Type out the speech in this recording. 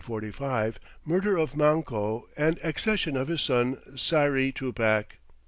Murder of Manco and accession of his son Sayri Tupac.